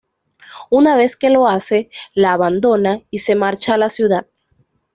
Una vez que lo hace, la abandona y se marcha a la ciudad.